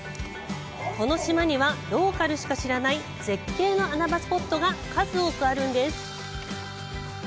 この島には、ローカルしか知らない絶景の穴場スポットが数多くあるんです。